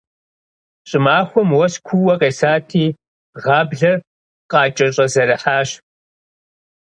ЩӀымахуэм уэс куу къесати, гъаблэр къакӀэщӀэзэрыхьащ.